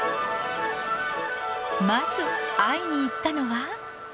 まず、会いに行ったのは。